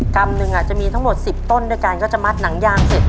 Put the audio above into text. กรรมหนึ่งจะมีทั้งหมด๑๐ต้นด้วยกันก็จะมัดหนังยางเสร็จ